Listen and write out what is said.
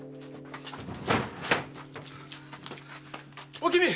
おきみ！